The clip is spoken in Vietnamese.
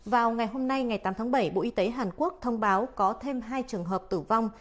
vào ngày hôm nay ngày tám tháng bảy bộ y tế hàn quốc thông báo có thêm hai trường hợp tử vong